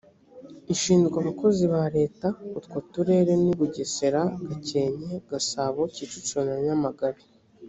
ishinzwe abakozi ba leta utwo turere ni bugesera gakenke gasabo kicukiro na nyamagabe